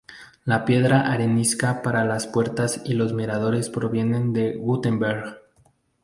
La piedra arenisca para las puertas y los miradores provienen de Wurtemberg.